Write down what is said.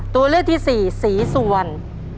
ตัวเลือกที่สี่ศรีสุวรรณ